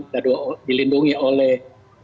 dan dua dilindungi oleh